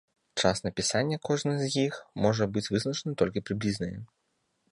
Час напісання кожнай з іх можа быць вызначана толькі прыблізнае.